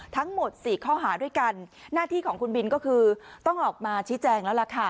ทั้งหมดสี่ข้อหาด้วยกันหน้าที่ของคุณบินก็คือต้องออกมาชี้แจงแล้วล่ะค่ะ